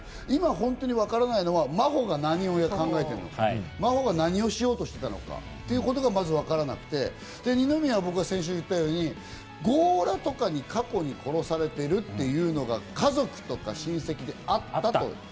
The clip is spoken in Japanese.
今、本当にわからないのは真帆が何を考えているか、真帆が何をしようとしていたのかということがまずわからなくて、二宮は先週、僕が言ったように、強羅とかに過去に殺されてるっていうのが家族とか親戚であったと。